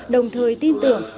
đồng thời tin tưởng